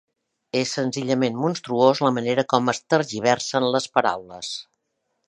És senzillament monstruós la manera com es tergiversen les paraules.